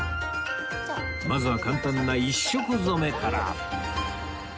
まずは簡単な１色染めから